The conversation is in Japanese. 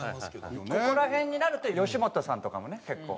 ここら辺になると吉本さんとかもね結構。